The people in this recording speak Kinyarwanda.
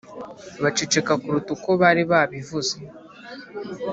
baceceka kuruta uko bari babivuze,